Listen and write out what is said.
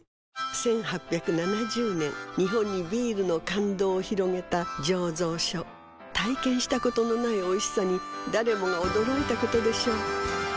１８７０年日本にビールの感動を広げた醸造所体験したことのないおいしさに誰もが驚いたことでしょう